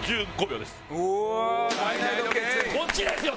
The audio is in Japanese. こっちですよ！